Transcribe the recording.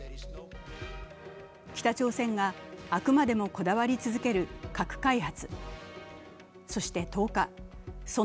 北朝鮮があくまでもこだわり続け核開発。